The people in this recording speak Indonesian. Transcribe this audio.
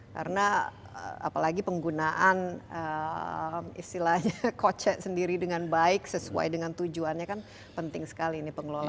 karena apalagi penggunaan istilahnya kocek sendiri dengan baik sesuai dengan tujuannya kan penting sekali ini pengelolaan apbd